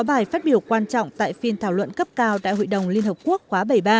sáu bài phát biểu quan trọng tại phiên thảo luận cấp cao đại hội đồng liên hợp quốc khóa bảy mươi ba